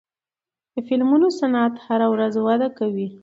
د فلمونو صنعت هره ورځ وده کوي.